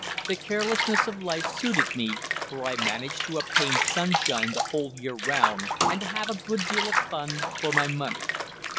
The carelessness of life suited me, for I managed to obtain sunshine the whole year round, and to have a good deal of fun for my money.